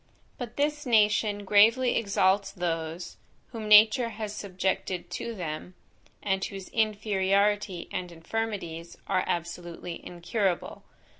But this nation gravely exalts those, whom nature has subjected to them, and whose inferiority and infirmities are absolutely incurable.